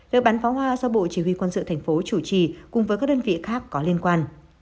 đội bắn pháo hoa do bộ chỉ huy quân sự thành phố chủ trì cùng với các đơn vị khác có liên quan